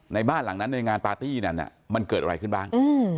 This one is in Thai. บ้านหลังนั้นในงานปาร์ตี้นั้นมันเกิดอะไรขึ้นบ้าง